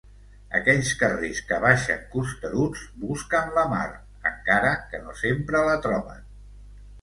Aquells carrers que baixen costeruts busquen la mar, encara que no sempre la troben.